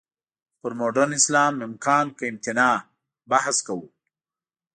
پر «مډرن اسلام، امکان که امتناع؟» بحث کوو.